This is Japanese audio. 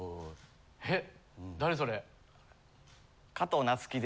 えっ誰それ？